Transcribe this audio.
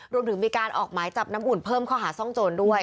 รวมถึงมีการออกหมายจับน้ำอุ่นเพิ่มข้อหาซ่องโจรด้วย